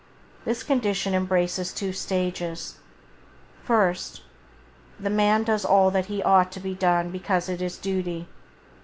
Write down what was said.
This condition embraces two stages: first, the man does all that ought to be done because it is duty.